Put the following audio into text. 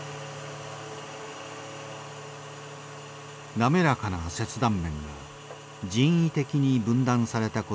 滑らかな切断面が人為的に分断されたことを示していた。